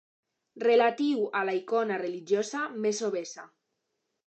Relatiu a la icona religiosa més obesa.